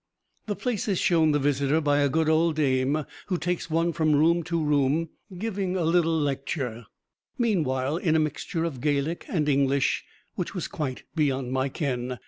The place is shown the visitor by a good old dame who takes one from room to room, giving a little lecture meanwhile in a mixture of Gaelic and English which was quite beyond my ken.